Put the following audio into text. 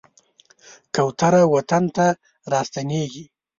کوتره وطن ته راستنېږي.